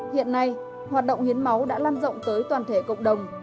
hiện nay hoạt động hiến máu đã lan rộng tới toàn thể cộng đồng